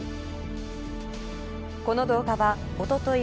この動画はおととい